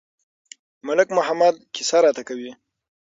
ملک محمد قصه راته کوي.